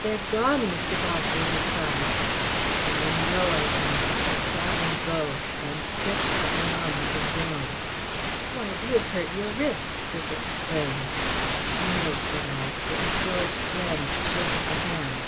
"They are gone, Mr. Berkeley," he cried. "I know," I grumbled; "I saw them go," and stretched out my arms and yawned. "Why, you have hurt your wrist," Dick exclaimed. "No," said I, "it was George Glen's shake of the hand."